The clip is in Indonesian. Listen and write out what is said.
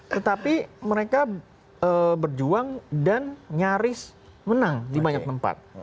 tetapi mereka berjuang dan nyaris menang di banyak tempat